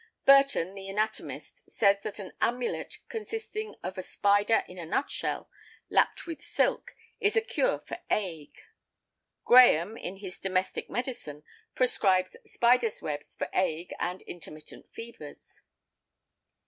Burton, the Anatomist, says that an amulet consisting of a spider in a nut shell, lapped with silk, is a cure for ague. Graham, in his "Domestic Medicine," prescribes spider's webs for ague and intermittent fevers.